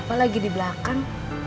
bapak lagi di belakang